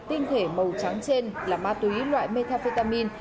tinh thể màu trắng trên là ma túy loại metafetamin